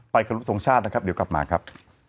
ไปกระดูกสงชาตินะครับเดี๋ยวกลับมาครับ